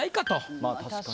まあ確かに。